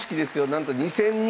なんと２，０００人！